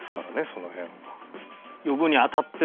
その辺は。